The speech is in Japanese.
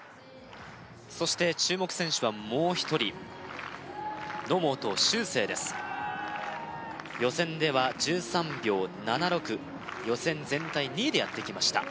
そして注目選手はもう一人野本周成です予選では１３秒７６予選全体２位でやってきました